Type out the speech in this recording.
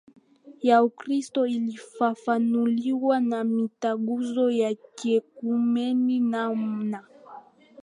ya Ukristo ilifafanuliwa na Mitaguso ya kiekumeni namna